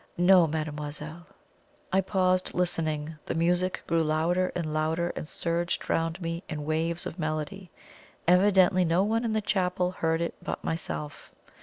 "No, mademoiselle." I paused, listening. The music grew louder and louder, and surged round me in waves of melody. Evidently no one in the chapel heard it but myself.